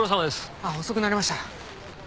あっ遅くなりました。